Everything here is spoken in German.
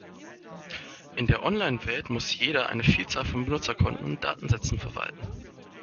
In der Online-Welt muss jeder eine Vielzahl von Benutzerkonten und Datensätzen verwalten.